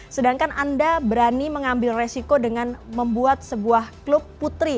sedangkan anda berani mengambil resiko dengan membuat sebuah klub putri